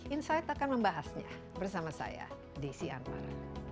insight akan membahasnya bersama saya desi anwar